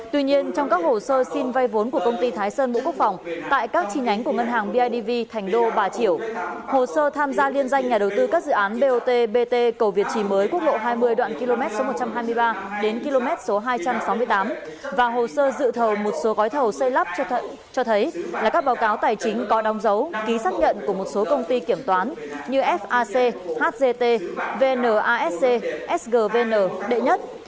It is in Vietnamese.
tuy nhiên trong các hồ sơ xin vay vốn của công ty thái sơn bộ quốc phòng tại các chi nhánh của ngân hàng bidv thành đô bà triểu hồ sơ tham gia liên danh nhà đầu tư các dự án bot bt cầu việt trì mới quốc lộ hai mươi đoạn km một trăm hai mươi ba đến km hai trăm sáu mươi tám và hồ sơ dự thầu một số gói thầu xây lắp cho thấy là các báo cáo tài chính có đồng dấu ký xác nhận của một số công ty kiểm toán như fac hgt vnasc sgvn đệ nhất